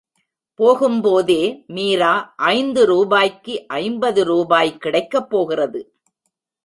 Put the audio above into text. போகும் போதே, மீரா, ஐந்து ரூபாய்க்கு ஐம்பது ரூபாய் கிடைக்கப் போகிறது!